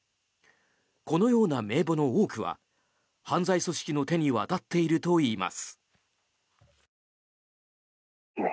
このような名簿の多くは犯罪組織の手に渡っているといいます。